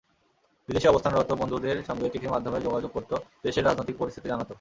বিদেশে অবস্থানরত বন্ধুদের সঙ্গে চিঠির মাধ্যমে যোগাযোগ করত, দেশের রাজনৈতিক পরিস্থিতি জানাত।